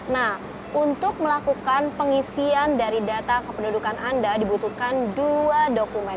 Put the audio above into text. nah untuk melakukan pengisian dari data kependudukan anda dibutuhkan dua dokumen